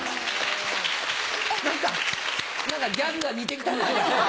何かギャグが似て来たね。